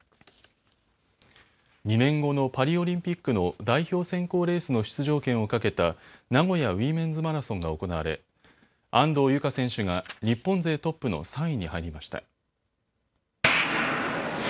２年後のパリオリンピックの代表選考レースの出場権をかけた名古屋ウィメンズマラソンが行われ安藤友香選手が日本勢トップの３位に入りました。